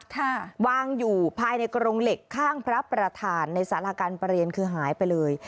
ค่ะวางอยู่ภายในกรงเหล็กข้างพระประธานในสาราการประเรียนคือหายไปเลย